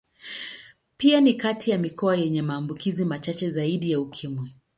Pia ni kati ya mikoa yenye maambukizi machache zaidi ya Ukimwi.